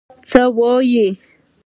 څه وايي.